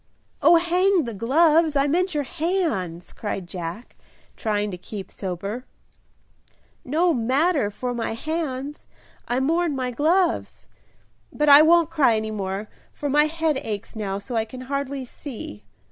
"Oh, hang the gloves! I meant your hands," cried Jack, trying to keep sober. "No matter for my hands, I mourn my gloves. But I won't cry any more, for my head aches now so I can hardly see."